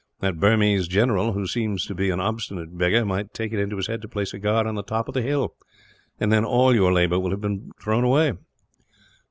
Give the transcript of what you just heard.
That Burmese general, who seems to be an obstinate beggar, might take it into his head to place a guard on the top of the hill; and then all your labour will have been thrown away."